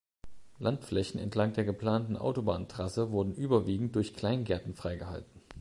Landflächen entlang der geplanten Autobahntrasse wurden überwiegend durch Kleingärten freigehalten.